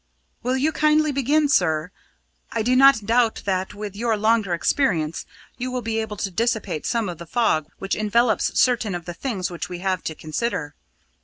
"Will you kindly begin, sir? I do not doubt that, with your longer experience, you will be able to dissipate some of the fog which envelops certain of the things which we have to consider."